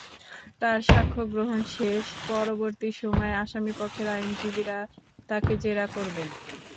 তাঁর সাক্ষ্য গ্রহণ শেষ হলে পরবর্তী সময় আসামিপক্ষের আইনজীবীরা তাঁকে জেরা করবেন।